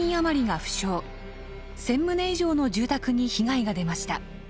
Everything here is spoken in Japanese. １，０００棟以上の住宅に被害が出ました。